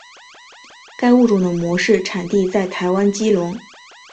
该物种的模式产地在台湾基隆。